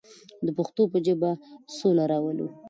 د پښتو په ژبه سوله راولو.